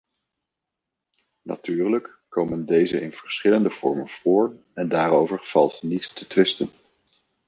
Natuurlijk komen deze in verschillende vormen voor en daarover valt niet te twisten.